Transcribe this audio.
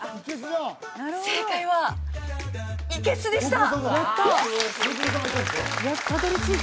正解は「いけす」でしたやった！